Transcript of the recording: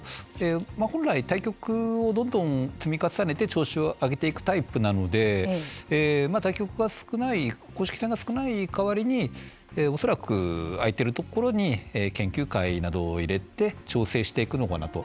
本来、対局をどんどん積み重ねて調子を上げていくタイプなので対局が少ない公式戦が少ない代わりに恐らく、あいているところに研究会などを入れて調整していくのかなと。